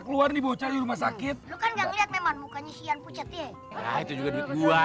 keluar dibaca di rumah sakit kan nggak lihat memang mukanya siang pucat ya itu juga dua